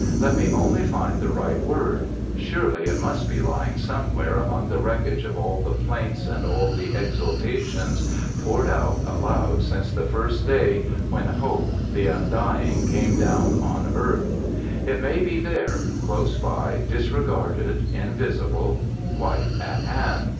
Let me only find the right word! Surely it must be lying somewhere among the wreckage of all the plaints and all the exultations poured out aloud since the first day when hope, the undying, came down on earth. It may be there, close by, disregarded, invisible, quite at hand.